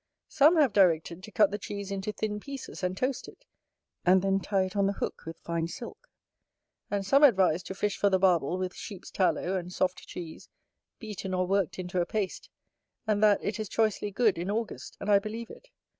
Some have directed to cut the cheese into thin pieces, and toast it; and then tie it on the hook with fine silk. And some advise to fish for the Barbel with sheep's tallow and soft cheese, beaten or worked into a paste; and that it is choicely good in August: and I believe it.